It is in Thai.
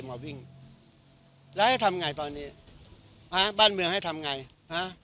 มาวิ่งแล้วให้ทำไงตอนนี้ฮะบ้านเมืองให้ทำไงฮะ